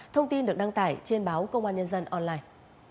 thông tin được đăng tải trên báo công an nhân dân online